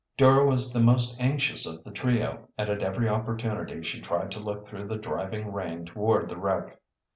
Dora was the most anxious of the trio, and at every opportunity she tried to look through the driving rain toward the wreck.